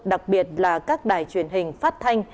đặc biệt là các đài truyền hình phát thanh